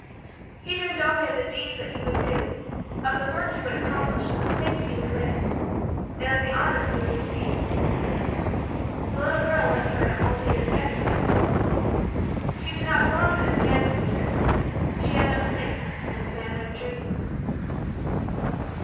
He dreamed only of the deeds that he would do; of the work he would accomplish; of the place he would win; and of the honors he would receive. The little girl lived for him only in his Yesterdays. She did not belong to his manhood years. She had no place in his manhood dreams.